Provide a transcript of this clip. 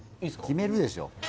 決めるでしょ